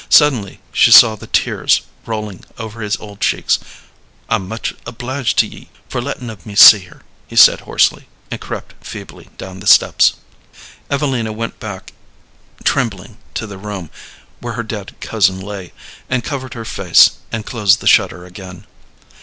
Suddenly she saw the tears rolling over his old cheeks. "I'm much obliged to ye for lettin' of me see her," he said, hoarsely, and crept feebly down the steps. Evelina went back trembling to the room where her dead cousin lay, and covered her face, and closed the shutter again.